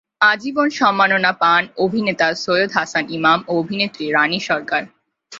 আজীবন সম্মাননা পান অভিনেতা সৈয়দ হাসান ইমাম ও অভিনেত্রী রানী সরকার।